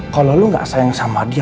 kalau lu gak sayang sama dia